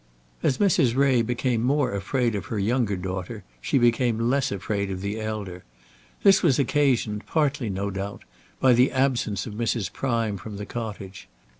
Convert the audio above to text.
As Mrs. Ray became more afraid of her younger daughter she became less afraid of the elder. This was occasioned partly, no doubt, by the absence of Mrs. Prime from the cottage.